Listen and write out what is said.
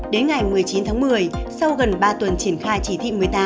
đến ngày một mươi chín tháng một mươi sau gần ba tuần triển khai chỉ thị một mươi tám